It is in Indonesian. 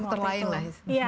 dokter lain lah istilahnya